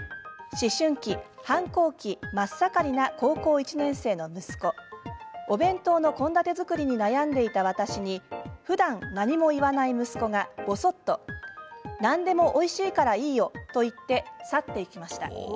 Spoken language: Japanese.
思春期、反抗期真っ盛りの高校１年生の息子お弁当の献立作りに悩んでいた私にふだん何も言わない息子がぼそっと何でもおいしいからいいよと言って去っていきました。